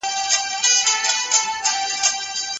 د زورواکۍ دودول اخلاقي اصول کمزوري کوي.